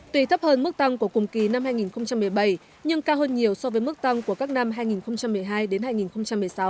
tùy thấp hơn mức tăng của cùng kỳ năm hai nghìn một mươi bảy nhưng cao hơn nhiều so với mức tăng của các năm hai nghìn một mươi hai đến hai nghìn một mươi sáu